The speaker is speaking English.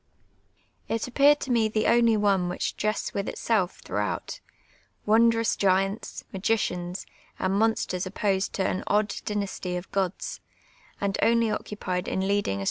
It appi artd to me the only one which jests with itsell" throuj^hout, — wondrous piuits, mapeians, and monsters op posed to an odd dynasty of pnls, and only occu])ie<l in leading a.